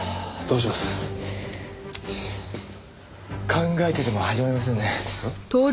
考えてても始まりませんね。